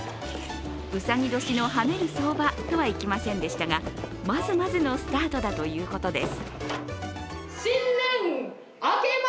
うさぎ年の跳ねる相場とはいきませんでしたがまずまずのスタートだということです。